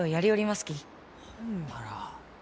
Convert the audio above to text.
ほんなら。